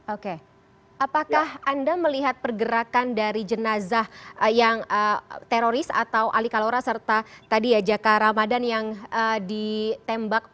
oke apakah anda melihat pergerakan dari jenazah yang teroris atau ali kalora serta tadi ya jaka ramadan yang ditembak